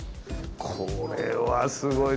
これはすごい。